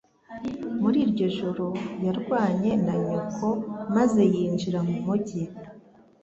Muri iryo joro yarwanye na nyoko maze yinjira mu mujyi.